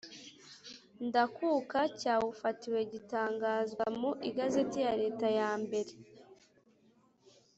ndakuka cyawufatiwe gitangazwa mu Igazeti ya leta yambere